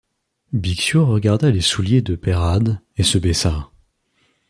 Bixiou regarda les souliers de Peyrade et se baissa.